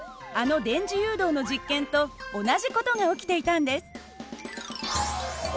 あの電磁誘導の実験と同じ事が起きていたんです。